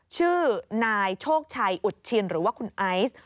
ชื่อนายโชคชัยอุดชินหรือว่าคุณไอซ์